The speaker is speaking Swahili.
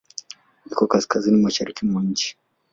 Iko Kaskazini mashariki mwa nchi.